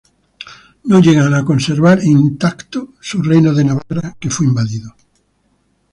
No llegan a conservar intacto su reino de Navarra que fue invadido.